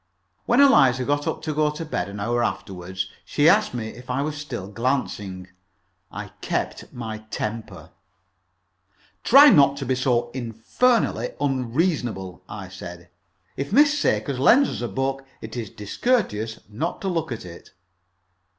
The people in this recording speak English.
When Eliza got up to go to bed, an hour afterward, she asked me if I was still glancing. I kept my temper. "Try not to be so infernally unreasonable," I said. "If Miss Sakers lends us a book, it is discourteous not to look at it."